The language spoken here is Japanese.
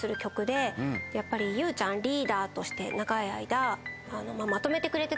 やっぱりゆうちゃんリーダーとして長い間。